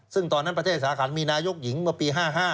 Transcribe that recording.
ซึ่งตอนนั้นประเทศสาขันมีนายกหญิงเมื่อปี๕๕